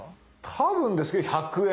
多分ですけど１００円。